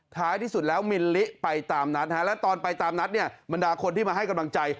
ท้ายที่สุดแล้วมิลลิไปตามนัดและตอนไปตามนัดเนี่ยบรรดาคนที่มาให้กำลังใจ